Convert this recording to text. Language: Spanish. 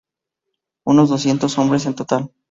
Unos doscientos hombres en total.